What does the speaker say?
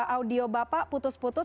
audio bapak putus putus